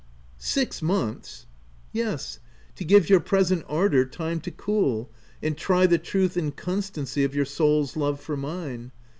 " Six months I* " Yes, to give your present ardour time to cool and try the truth and constancy of your soul's love for mine.